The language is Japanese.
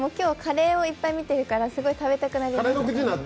今日、カレーをいっぱい見てるから食べたくなりました。